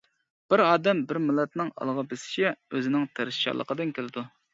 بىر ئادەم، بىر مىللەتنىڭ ئالغا بېسىشى ئۆزىنىڭ تىرىشچانلىقىدىن كېلىدۇ.